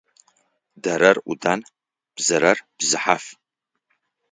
Дэрэр Ӏудан, бзэрэр бзыхьаф.